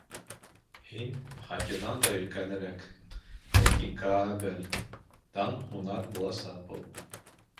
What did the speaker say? Һин Хатиҙан да өлкәнерәкһең, ләкин Каа, бел, дан һунар буласаҡ был!